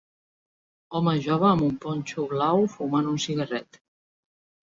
Home jove amb un ponxo blau fumant un cigarret.